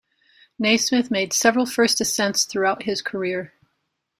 Naismith made several first ascents throughout his career.